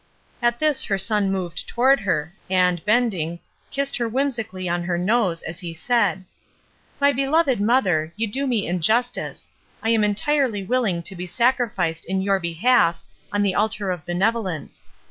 '' At this her son moved toward her, and, bend ing, kissed her whimsically on her nose as he said :— ''My beloved mother, you do me injustice; I am entirely willing to be sacrificed in your behalf on the altar of benevolence.